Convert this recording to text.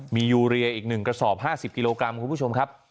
มียูเรียอีก๑กระสอบ๕๐กิโลกรัมคุณผู้ชมครับ